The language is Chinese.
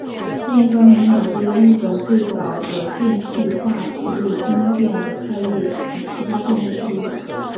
另一方面也满足了日本最早的电气化铁路京电的开业及其他电力需求者。